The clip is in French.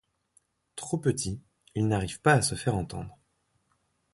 Trop petit, il n'arrive pas à se faire entendre.